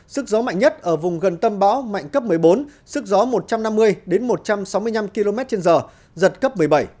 sức gió mạnh nhất ở vùng gần tâm bão mạnh cấp một mươi bốn sức gió một trăm năm mươi đến một trăm sáu mươi năm km trên giờ giật cấp một mươi bảy